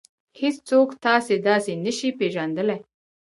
هېڅوک تاسې داسې نشي پېژندلی.